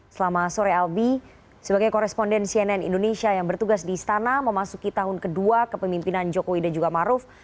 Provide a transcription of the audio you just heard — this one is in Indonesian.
selama sore albi sebagai koresponden cnn indonesia yang bertugas di istana memasuki tahun kedua kepemimpinan jokowi dan juga maruf